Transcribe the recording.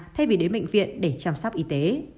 thay vì đến bệnh viện để chăm sóc y tế